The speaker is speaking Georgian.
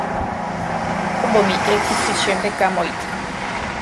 ალბომი ერთი თვის შემდეგ გამოიცა.